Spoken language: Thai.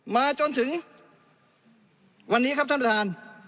มาจนถึงวันนี้ครับท่านประธาน